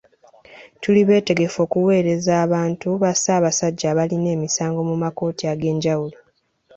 Tuli beetegefu okuweereza abantu ba Ssaabasajja abalina emisango mu makkooti ag'enjawulo.